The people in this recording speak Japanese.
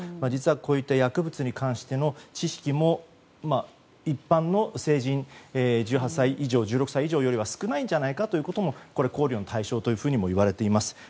実はこういった薬物に関しての知識も一般の成人１８歳以上、１６歳以上よりは少ないんじゃないかということも考慮の対象といわれています。